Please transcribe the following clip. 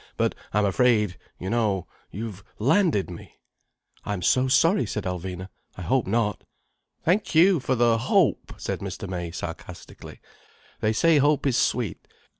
But I'm afraid, you know, you've landed me." "I'm so sorry," said Alvina. "I hope not." "Thank you for the hope" said Mr. May sarcastically. "They say hope is sweet.